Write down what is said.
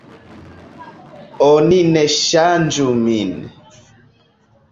"Oni ne ŝanĝu min."